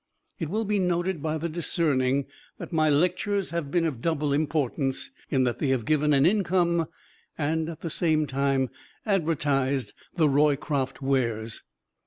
It will be noted by the Discerning that my lectures have been of double importance, in that they have given an income and at the same time advertised the Roycroft Wares.